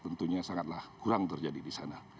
tentunya sangatlah kurang terjadi di sana